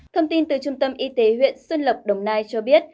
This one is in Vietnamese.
thông tin từ trung tâm y tế huyện xuân lộc đồng nai cho biết